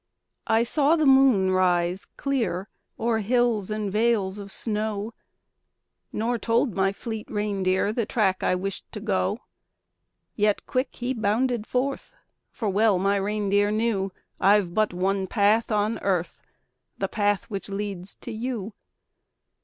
I saw the moon rise clear O'er hills and vales of snow Nor told my fleet reindeer The track I wished to go. Yet quick he bounded forth; For well my reindeer knew I've but one path on earth The path which leads to you.